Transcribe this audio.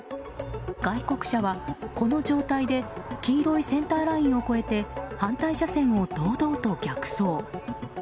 外国車は、この状態で黄色いセンターラインを越えて反対車線を堂々と逆走。